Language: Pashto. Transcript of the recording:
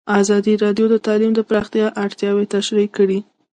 ازادي راډیو د تعلیم د پراختیا اړتیاوې تشریح کړي.